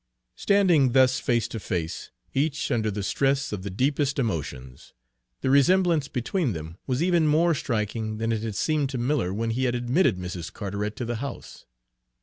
Standing thus face to face, each under the stress of the deepest emotions, the resemblance between them was even more striking than it had seemed to Miller when he had admitted Mrs. Carteret to the house.